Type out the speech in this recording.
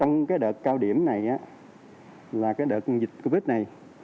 trong cái đợt cao điểm này là cái đợt dịch covid này